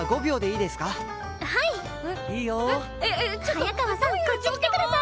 早川さんこっち来てください。